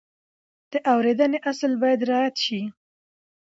د اورېدنې اصل باید رعایت شي.